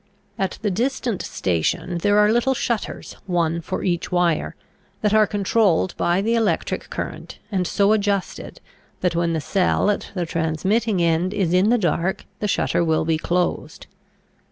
At the distant station there are little shutters, one for each wire, that are controlled by the electric current and so adjusted that when the cell at the transmitting end is in the dark the shutter will be closed.